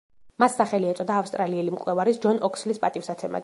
მას სახელი ეწოდა ავსტრალიელი მკვლევარის, ჯონ ოქსლის პატივსაცემად.